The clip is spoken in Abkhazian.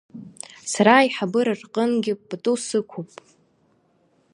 Сара аиҳабыра рҟынгьы пату сықәуп.